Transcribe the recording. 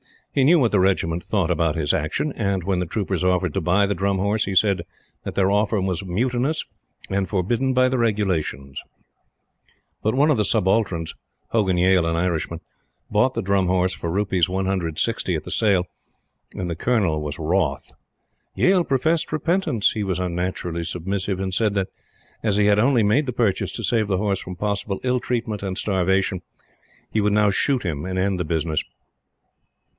He knew what the Regiment thought about his action; and, when the troopers offered to buy the Drum Horse, he said that their offer was mutinous and forbidden by the Regulations. But one of the Subalterns Hogan Yale, an Irishman bought the Drum Horse for Rs. 160 at the sale; and the Colonel was wroth. Yale professed repentance he was unnaturally submissive and said that, as he had only made the purchase to save the horse from possible ill treatment and starvation, he would now shoot him and end the business.